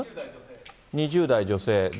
２０代女性で。